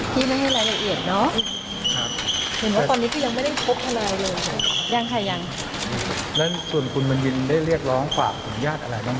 คุยค่ะคุยค่ะให้กำลังใจกันค่ะแกบอกว่าอย่างไรบ้าง